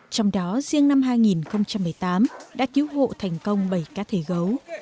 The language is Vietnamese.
trong đó riêng năm hai nghìn một mươi tám đã cứu hộ thành công bảy cá thể gấu